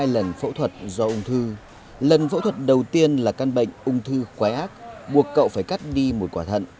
hai lần phẫu thuật do ung thư lần phẫu thuật đầu tiên là căn bệnh ung thư quái ác buộc cậu phải cắt đi một quả thận